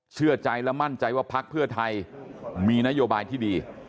เชื่อใจและมั่นใจว่าพักเพื่อไทยมีนโยบายที่ดี